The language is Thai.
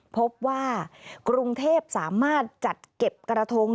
พบว่ากรุงเทพสามารถจัดเก็บกระทง